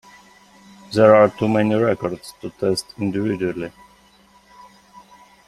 There are too many records to test individually.